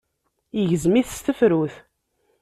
Yegzem-it s tefrut.